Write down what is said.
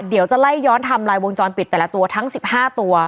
เดี๋ยวจะไล่ย้อนทำลายวงจรปิดแต่ละตัวทั้ง๑๕ตัว